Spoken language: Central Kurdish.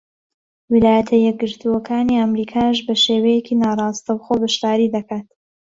ویلایەتە یەکگرتووەکانی ئەمریکاش بە شێوەیەکی ناڕاستەوخۆ بەشداری دەکات.